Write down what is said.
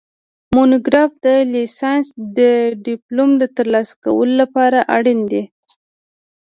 مونوګراف د لیسانس د ډیپلوم د ترلاسه کولو لپاره اړین دی